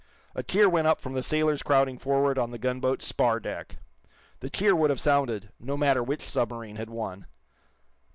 A cheer went up from the sailors crowding forward on the gunboat's spar deck. The cheer would have sounded, no matter which submarine had won.